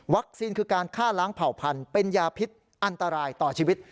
คือการฆ่าล้างเผ่าพันธุ์เป็นยาพิษอันตรายต่อชีวิต